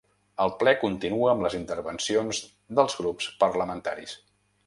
El ple continua amb les intervencions dels grups parlamentaris.